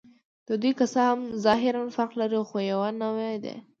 دوی که څه هم ظاهراً فرق لري، خو یوه نوعه دي.